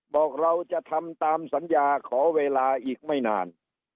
บอกเราจะทำตามสัญญาขอเวลาอีกไม่นาน